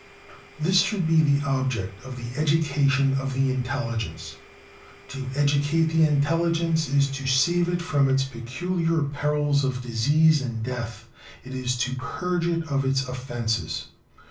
This should be the object of "the education of the intelligence." To educate the intelligence is to save it from its peculiar perils of disease and death; it is to "purge it of its offenses."